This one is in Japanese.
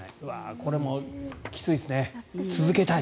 これもきついですね。